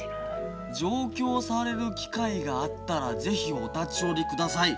上京される機会があったら是非お立寄り下さい。